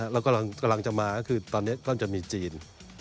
เรากำลังจะมาก็คือตอนนี้ก็จะมีจีน